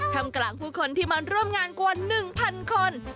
ทำกลางผู้คนที่มาร่วมงานกว่า๑๐๐คน